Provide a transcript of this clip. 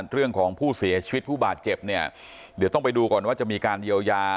เรื่องของผู้เสียชีวิตผู้บาดเจ็บเนี่ยเดี๋ยวต้องไปดูก่อนว่าจะมีการเยียวยา